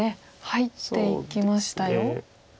入っていきましたよ。